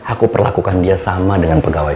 aku perlakukan dia sama dengan pegawai